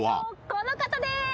この方です。